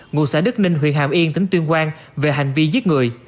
ngụ xã đức ninh huyện hàm yên tỉnh tuyên quang về hành vi giết người